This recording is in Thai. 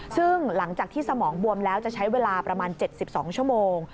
ซึ่งหลังจากที่สมองบวมแล้วจะใช้เวลาประมาณ๗๒ชั่วโมง